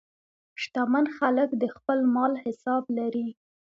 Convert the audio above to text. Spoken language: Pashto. شتمن خلک د خپل مال حساب لري.